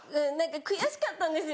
悔しかったんですよ